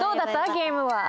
ゲームは。